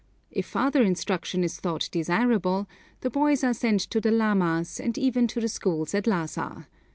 If farther instruction is thought desirable, the boys are sent to the lamas, and even to the schools at Lhassa.